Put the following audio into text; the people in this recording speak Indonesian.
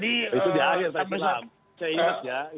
itu di akhir tadi lah